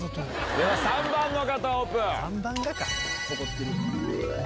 では３番の方オープン！